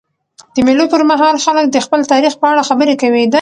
د مېلو پر مهال خلک د خپل تاریخ په اړه خبري کوي.